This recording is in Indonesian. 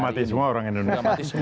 sudah mati semua orang indonesia